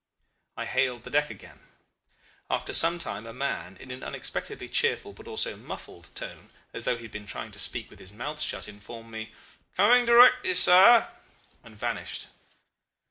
I hailed the deck again. After some time a man in an unexpectedly cheerful but also muffled tone, as though he had been trying to speak with his mouth shut, informed me, 'Coming directly, sir,' and vanished.